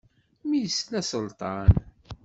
Mi yesla Selṭan.